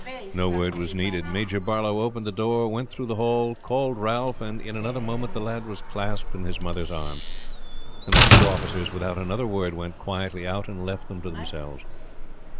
No word was needed. Major Barlow opened the door, went through the hall, and called Ralph, and in another moment the lad was clasped in his mother's arms, and the two officers without another word went quietly out and left them to themselves.